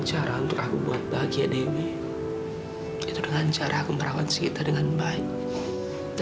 dia tidak boleh bertemu dulu dengan keluarganya